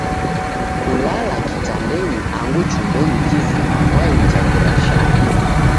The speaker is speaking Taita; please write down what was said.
Kulala kitandenyi angu chumbenyi kizima kwainja kurashana.